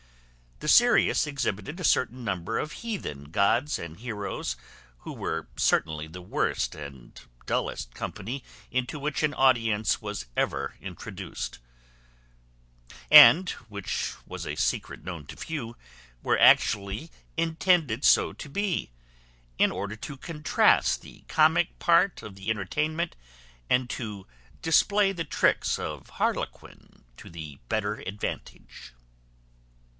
The serious exhibited a certain number of heathen gods and heroes, who were certainly the worst and dullest company into which an audience was ever introduced; and (which was a secret known to few) were actually intended so to be, in order to contrast the comic part of the entertainment, and to display the tricks of harlequin to the better advantage.